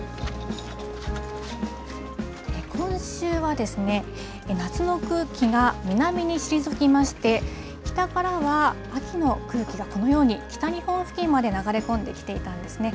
今週は、夏の空気が南に退きまして、北からは秋の空気がこのように北日本付近まで流れ込んできていたんですね。